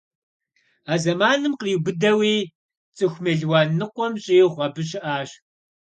А зэманым къриубыдэуи цӀыху мелуан ныкъуэм щӀигъу абы щыӀащ.